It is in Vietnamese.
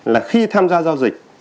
là khi tham gia giao dịch